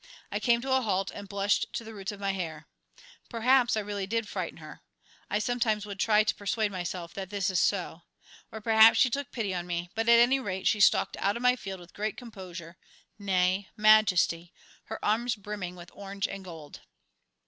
I came to a halt and blushed to the roots of my hair. Perhaps I really did frighten her (I sometimes try to persuade myself that this is so), or perhaps she took pity on me; but, at any rate, she stalked out of my field with great composure, nay, majesty, her arms brimming with orange and gold.